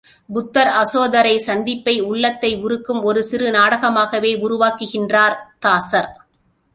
புத்தர் அசோதரை சந்திப்பை உள்ளத்தை உருக்கும் ஒரு சிறு நாடகமாகவே உருவாக்குகின்றார் தாசர்.